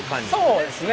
そうですね。